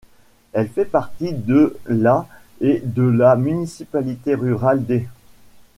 Elle fait partie de la et de la municipalité rurale d'.